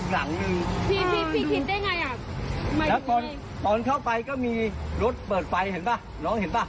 แล้วตอนเข้าไปก็มีรถเปิดไฟเห็นป่ะน้องเห็นป่ะ